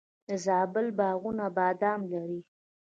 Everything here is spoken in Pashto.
د زابل باغونه بادام لري.